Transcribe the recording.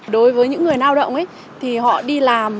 đối với những người lao động thì họ đi làm